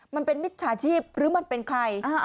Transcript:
มันเป็นมิจสาธิบค์หรืออีกใคร